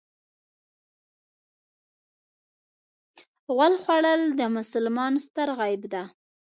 غول خوړل د مسلمان ستر عیب دی.